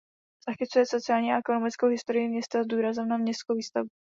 Zachycuje sociální a ekonomickou historii města s důrazem na městskou výstavbu.